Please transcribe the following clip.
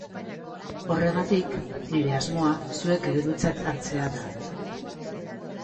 Horregatik, nire asmoa zuek eredutzat hartzea da.